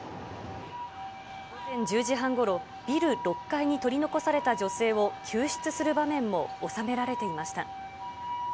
午前１０時半ごろ、ビル６階に取り残された女性を救出する場面も収められていました。